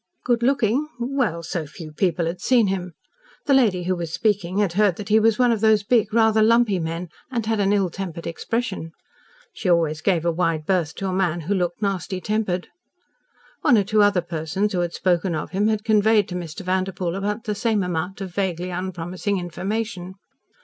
Good looking? Well, so few people had seen him. The lady, who was speaking, had heard that he was one of those big, rather lumpy men, and had an ill tempered expression. She always gave a wide berth to a man who looked nasty tempered. One or two other persons who had spoken of him had conveyed to Mr. Vanderpoel about the same amount of vaguely unpromising information.